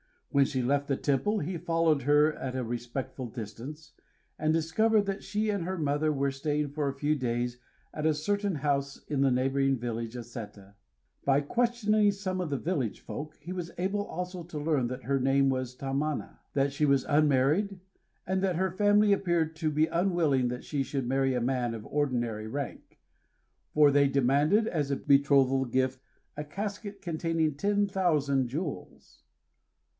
When she left the temple he followed her at a respectful distance, and discovered that she and her mother were staying for a few days at a certain house in the neighboring village of Séta. By questioning some of the village folk, he was able also to learn that her name was Tamana; that she was unmarried; and that her family appeared to be unwilling that she should marry a man of ordinary rank, for they demanded as a betrothal gift a casket containing ten thousand jewels.